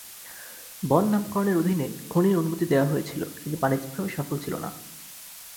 বন নামকরণের অধীনে, খনির অনুমতি দেওয়া হয়েছিল কিন্তু বাণিজ্যিকভাবে সফল ছিল না।